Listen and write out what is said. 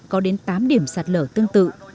có đến tám điểm sạt lở tương tự